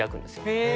へえ。